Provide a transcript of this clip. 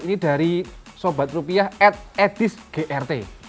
ini dari sobat rupiah at edis grt